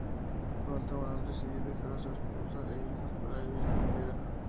Pronto, Manuel decidió dejar a su esposa e hijos para vivir con Vera.